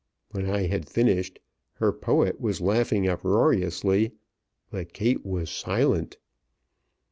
When I had finished, her poet was laughing uproariously; but Kate was silent.